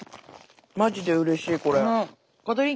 マジでうれしいこれ。